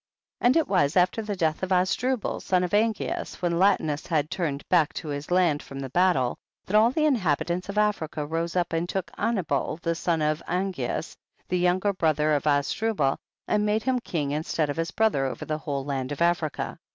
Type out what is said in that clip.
1 7. And it was after the death of Azdrubal son of Angeas, when Lati nus had turned back to his land from the battle, that all the inhabitants of Africa rose up and took Anibal the son of Angeas, the younger brother of Azdrubal, and made him king in stead of his brother over the whole land of Africa.